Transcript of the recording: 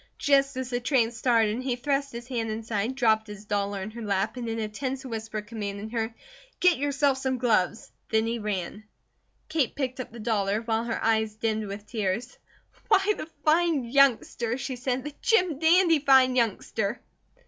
Just as the train started he thrust his hand inside, dropped his dollar on her lap, and in a tense whisper commanded her: "Get yourself some gloves!" Then he ran. Kate picked up the dollar, while her eyes dimmed with tears. "Why, the fine youngster!" she said. "The Jim dandy fine youngster!"